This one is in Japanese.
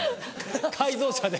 改造車で。